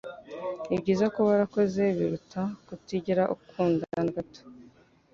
nibyiza kuba warakoze ibiruta kutigera ukunda na gato